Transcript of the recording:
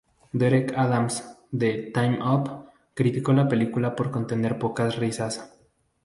Derek Adams de "Time Out" criticó la película por contener pocas risas.